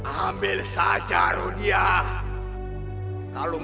ambil air dan kain